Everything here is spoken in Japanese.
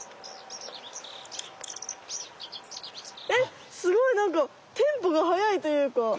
えっすごいなんかテンポがはやいというか。